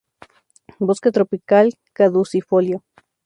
Bosque tropical caducifolio.